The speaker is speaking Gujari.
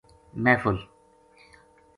محفل